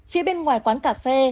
phía bên ngoài quán cà phê